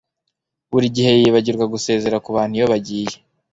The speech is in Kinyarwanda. Buri gihe yibagirwa gusezera kubantu iyo bagiye